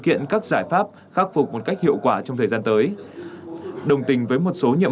kiện các giải pháp khắc phục một cách hiệu quả trong thời gian tới đồng tình với một số nhiệm